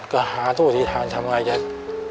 ก็หาทั่วที่ทานทำไงจัง